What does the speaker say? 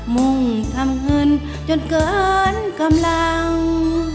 มุ่งทำเงินจนเกินกำลัง